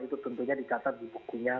itu tentunya dikatakan di bukunya